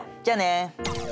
じゃあね。